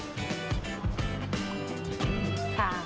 ค่ะ